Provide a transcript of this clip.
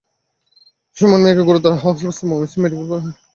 সুমন মিয়াকে গুরুতর আহত অবস্থায় ময়মনসিংহ মেডিকেল কলেজ হাসপাতালে ভর্তি করা হয়।